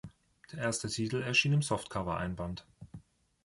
Die ersten Titel erschienen im Softcover-Einband.